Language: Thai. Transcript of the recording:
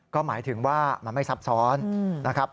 ก็หมายถึงว่ามันไม่ซับซ้อนนะครับ